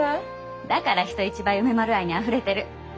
だから人一倍梅丸愛にあふれてる。